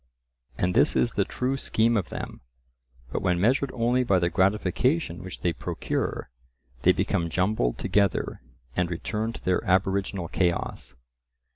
And this is the true scheme of them, but when measured only by the gratification which they procure, they become jumbled together and return to their aboriginal chaos.